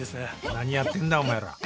何やってんだお前ら。